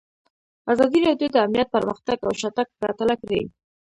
ازادي راډیو د امنیت پرمختګ او شاتګ پرتله کړی.